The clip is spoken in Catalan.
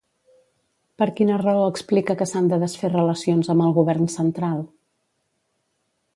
Per quina raó explica que s'han de desfer relacions amb el govern central?